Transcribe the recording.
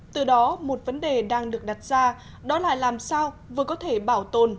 từ đó một vấn đề đang được đặt ra đó là làm sao vừa có thể bảo tồn